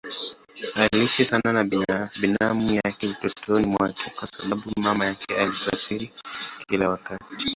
Aliishi sana na binamu yake utotoni mwake kwa sababu mama yake alisafiri kila wakati.